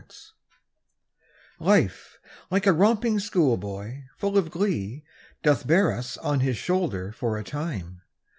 LIFE Life, like a romping schoolboy, full of glee, Doth bear us on his shoulder for a time.